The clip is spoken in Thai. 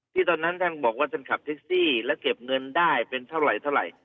ตอนนั้นท่านบอกว่าท่านขับแท็กซี่แล้วเก็บเงินได้เป็นเท่าไหร่เท่าไหร่